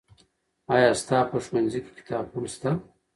آیا ستا په ښوونځي کې کتابتون شته؟